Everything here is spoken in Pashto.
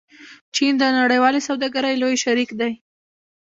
چین د نړیوالې سوداګرۍ لوی شریک دی.